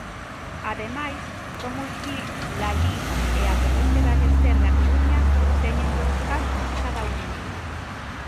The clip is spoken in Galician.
Ademais, DomusVi Lalín e a Torrente Ballester da Coruña teñen dous casos cada unha.